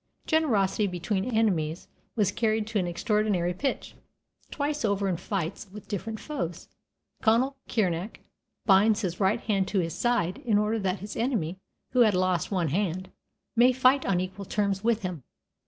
Generosity between enemies was carried to an extraordinary pitch. Twice over in fights with different foes, Conall Cernach binds his right hand to his side in order that his enemy, who had lost one hand, may fight on equal terms with him.